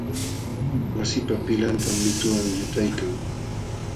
Wasipa pilqantam mituwan llutaykan.